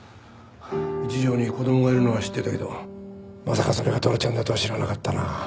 一条に子供がいるのは知ってたけどまさかそれがトラちゃんだとは知らなかったな。